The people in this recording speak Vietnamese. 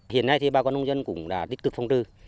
hiện nay bà con nông dân cũng đã tích cực phong trư